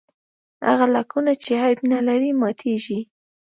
هغه لاکونه چې عیب نه لري ماتېږي.